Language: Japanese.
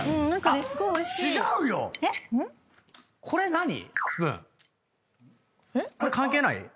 これ関係ない？